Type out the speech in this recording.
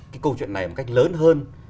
cái câu chuyện này một cách lớn hơn